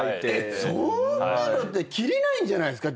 そんなのって切りないんじゃないんすか